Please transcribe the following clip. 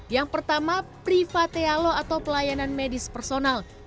yang pertama private alo atau pelayanan medis personal